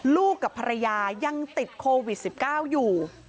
กับภรรยายังติดโควิด๑๙อยู่